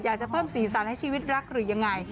อยากจะเพิ่มสีสันให้ชีวิตรักหรือยังไง